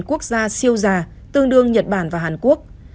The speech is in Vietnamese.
quốc gia siêu già tương đương nhật bản và hàn quốc